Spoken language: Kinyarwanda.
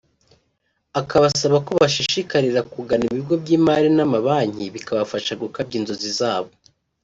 akabasaba ko bashishikarira kugana ibigo by’imari n’amabanki bikabafasha gukabya inzozi zabo